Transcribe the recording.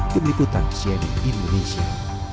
peniputan sienik indonesia